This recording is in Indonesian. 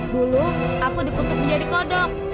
dulu aku dikutuk menjadi kodok